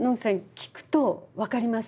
聴くと分かります？